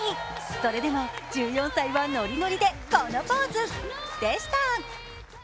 それでも１４歳はノリノリでこのポーズでした。